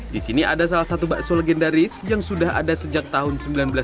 di sini ada salah satu bakso legendaris yang sudah ada sejak tahun seribu sembilan ratus sembilan puluh